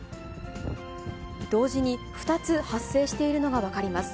同時に２つ発生しているのが分かります。